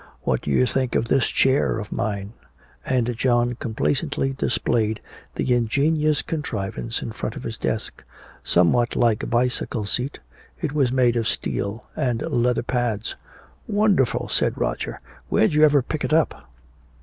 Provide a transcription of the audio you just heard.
What do you think of this chair of mine?" And John complacently displayed the ingenious contrivance in front of his desk, somewhat like a bicycle seat. It was made of steel and leather pads. "Wonderful," said Roger. "Where'd you ever pick it up?"